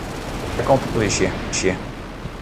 Dêr komt de plysje.